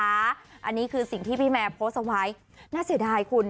อันนี้คือสิ่งที่พี่แมร์โพสต์เอาไว้น่าเสียดายคุณ